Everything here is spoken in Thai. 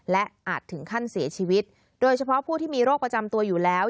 และอาจถึงขั้นเสียชีวิตโดยเฉพาะผู้ที่มีโรคประจำตัวอยู่แล้ว